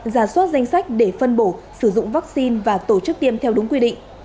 giả soát danh sách để phân bổ sử dụng vaccine và tổ chức tiêm theo đúng quy định